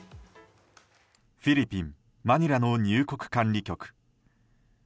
フィリピン・マニラの入国管理局。